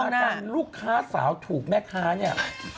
แล้วกลับมากันลูกข้าสาวถูกแม่ค้าเนี่ย